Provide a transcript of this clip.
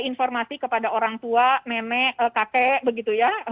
dan informasi kepada orang tua nenek kakek begitu ya